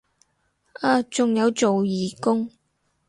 啊仲有做義工